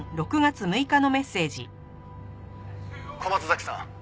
「小松崎さん